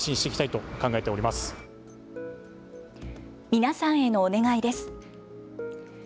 皆さんへのお願いです。